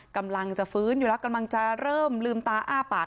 กำลังจะฟื้นอยู่แล้วกำลังจะเริ่มลืมตาอ้าปาก